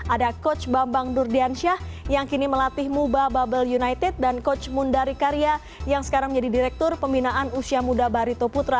ada coach bambang durdiansyah yang kini melatih muba bubble united dan coach mundari karya yang sekarang menjadi direktur pembinaan usia muda barito putra